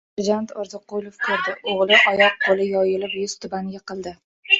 Serjant Orziqulov ko‘rdi: o‘g‘li oyoq-qo‘li yoyilib yuz-tuban yiqildi...